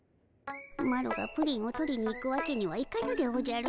マロがプリンを取りに行くわけにはいかぬでおじゃる。